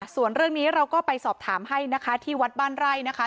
ส่วนเรื่องนี้เราก็ไปสอบถามให้นะคะที่วัดบ้านไร่นะคะ